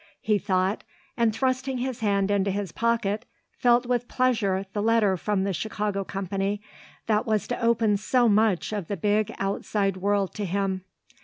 he thought, and, thrusting his hand into his pocket, felt with pleasure the letter from the Chicago company that was to open so much of the big outside world to him.